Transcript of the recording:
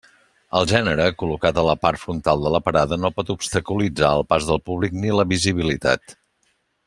El gènere col·locat a la part frontal de la parada no pot obstaculitzar el pas del públic ni la visibilitat.